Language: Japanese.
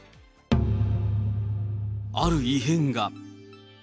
ある異変が。